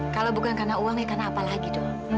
kalau bukan karena uang ya karena apa lagi dong